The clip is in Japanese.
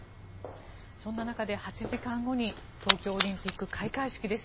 そんな中で８時間後に東京オリンピック開会式です。